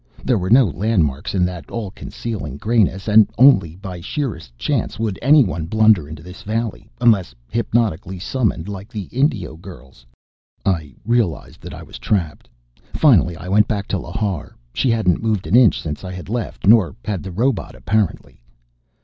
There were no landmarks in that all concealing grayness, and only by sheerest chance would anyone blunder into this valley unless hypnotically summoned, like the Indio girls. I realized that I was trapped. Finally I went back to Lhar. She hadn't moved an inch since I had left, nor had the robot, apparently.